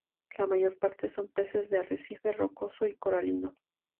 La mayor parte son peces de arrecife rocoso y coralino.